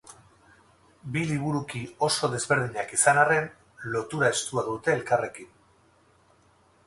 Bi liburuki oso desberdinak izan arren, lotura estua dute elkarrekin.